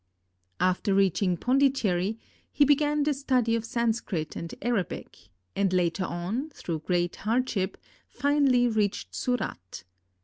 After reaching Pondicherry, he began the study of Sanscrit and Arabic, and later on, through great hardship, finally reached Surat.